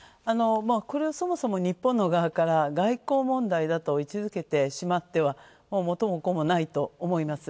これは、そもそも日本の側から外交問題だと位置づけてしまっては元も子もないと思います。